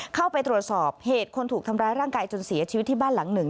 เข้าไปตรวจสอบเหตุคนถูกทำร้ายร่างกายจนเสียชีวิตที่บ้านหลังหนึ่ง